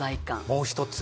もう１つ。